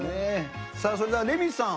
それではレミさん。